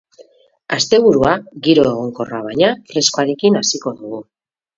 Asteburua giro egonkorra baina freskoarekin hasiko dugu.